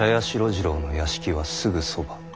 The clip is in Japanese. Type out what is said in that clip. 次郎の屋敷はすぐそば。